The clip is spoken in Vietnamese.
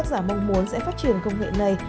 và mong muốn sẽ phát triển công nghệ này